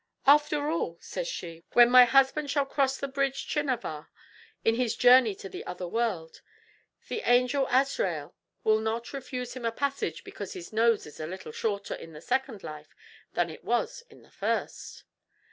"After all," says she, "when my husband shall cross the bridge Tchinavar, in his journey to the other world, the angel Asrael will not refuse him a passage because his nose is a little shorter in the second life than it was in the first."